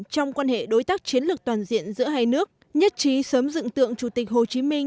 trong quan hệ đối tác chiến lược toàn diện giữa hai nước nhất trí sớm dựng tượng chủ tịch hồ chí minh